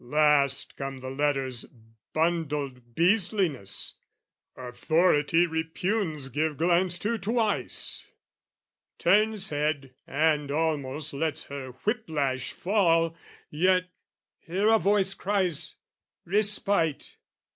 "Last come the letter's bundled beastliness "Authority repugns give glance to twice, "Turns head, and almost lets her whip lash fall; "Yet here a voice cries 'Respite!'